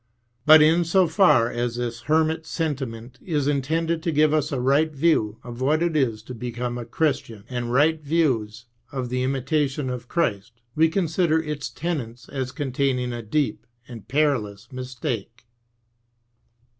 But in so far as this hermit sentiment is intended to give us a right view of what it is to become a Christian, and right views of the imitation of Christ, wo consider its tenets as containing a deep and perilous mistake.